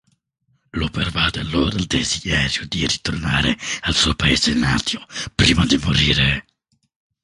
Lo pervade allora il desiderio di ritornare al suo paese natio prima di morire.